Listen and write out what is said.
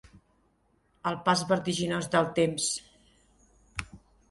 El pas vertiginós del temps.